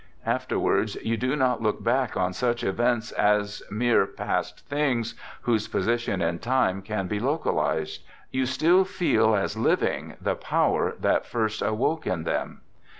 Aft erwards you do not look back on such events as mere past things whose position in time can be local ized; you still feel as living the power that first awoke in them.